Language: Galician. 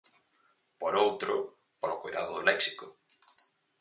Por outro, polo coidado do léxico.